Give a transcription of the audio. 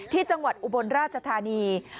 จังหวัดอุบลราชธานี